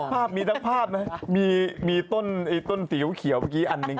ภาพนี้ทั้งภาพมีต้นสีเขาเขียวอ่านหนึ่ง